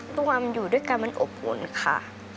เพราะว่ามันอยู่ด้วยกันมันอบอุ่นค่ะ